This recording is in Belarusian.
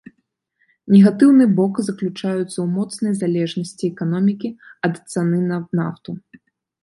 Негатыўны бок заключаецца ў моцнай залежнасці эканомікі ад цаны на нафту.